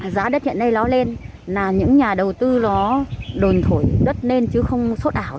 giá đất hiện nay nó lên là những nhà đầu tư nó đồn thổi đất lên chứ không sốt ảo